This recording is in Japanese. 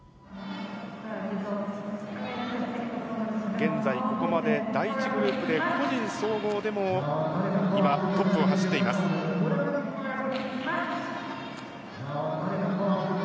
現在ここまで第１グループで、個人総合でも今、トップを走っています。